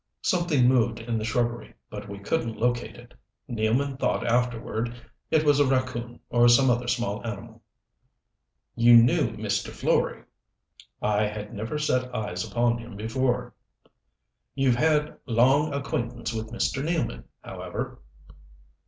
"Something moved in the shrubbery, but we couldn't locate it. Nealman thought afterward it was a raccoon or some other small animal." "You knew Mr. Florey?" "I had never set eyes upon him before." "You've had long acquaintance with Mr. Nealman, however?"